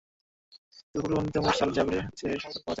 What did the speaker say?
তবে পূর্বে বর্ণিত মুরসাল ও জাবিরের হাদীসে এর সমর্থন পাওয়া যায়।